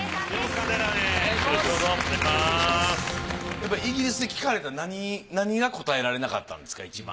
やっぱりイギリスで聞かれた何が答えられなかったんですか一番？